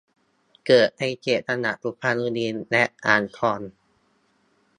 เกิดในเขตจังหวัดสุพรรณบุรีและอ่างทอง